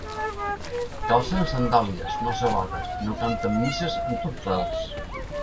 Calcen sandàlies, no sabates, i no canten misses en tons alts.